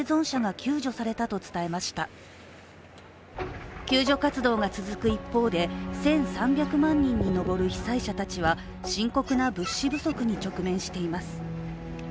救助活動が続く一方で１３００万人に上る被災者たちは深刻な物資不足に直面しています。